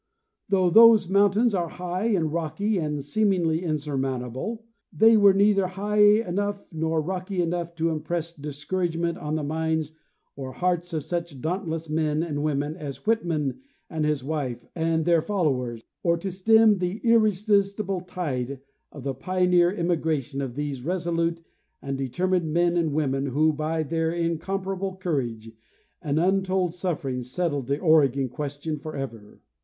Though those mountains are high and rocky and seemingly insurmountable, they were neither high enough nor rocky enough to impress discouragement on the minds or hearts of such dauntless men and women as Whitman and his wife and their followers, or to stem the irresistible tide of the pioneer emigration of these resolute and determined men and women who, by their incomparable courage and untold sufferings, set tled the Oregon question forever.